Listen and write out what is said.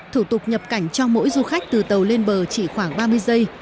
thủ tục nhập cảnh cho mỗi du khách từ tàu lên bờ chỉ khoảng ba mươi giây